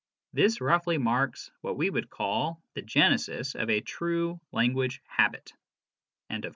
This roughly marks what we would call the genesis of a true language habit " (pp.